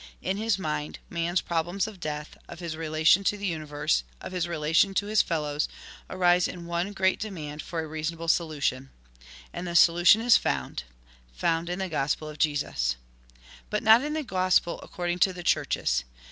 In his mind, man's problems of death, of his rela viii NOTE tion to the universe, of his relation to his fellows, arise in one great demand for a reasonable solu tion. And the solution is found — found in the Gospel of Jesus. But not in the Gospel according to the Churches.